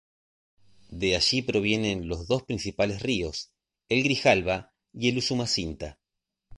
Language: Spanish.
De allí provienen los dos principales ríos, el Grijalva y el Usumacinta.